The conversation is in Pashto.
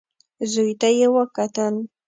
زوی ته يې وکتل.